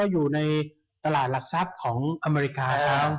อยู่ในตลาดหลักทรัพย์ของอเมริกาเขา